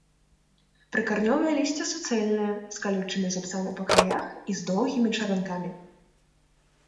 Прыкаранёвае лісце суцэльнае, з калючымі зубцамі па краях і з доўгімі чаранкамі.